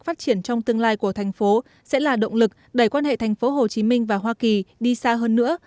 phát triển trong tương lai của thành phố sẽ là động lực đẩy quan hệ tp hcm và hoa kỳ đi xa hơn nữa